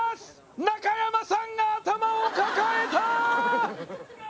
中山さんが頭を抱えた！